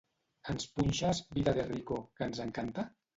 Ens punxes "Vida de rico", que ens encanta?